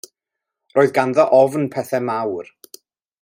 Roedd ganddo ofn pethau mawr.